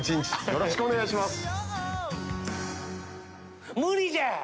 よろしくお願いします。